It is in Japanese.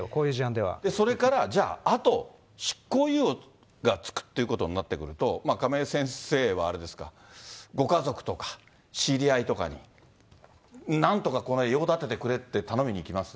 それからじゃああと、執行猶予がつくってことになってくると、亀井先生はあれですか、ご家族とか知り合いとかに、なんとかこれを用立ててくれって頼みに行きます？